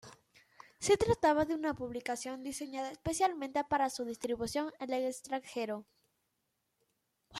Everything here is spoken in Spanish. Se trataba de una publicación diseñada especialmente para su distribución en el extranjero.